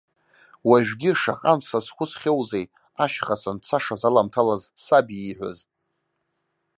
Уажәгьы шаҟантә сазхәыцхьоузеи, ашьха санцашаз аламҭалаз, саб ииҳәаз.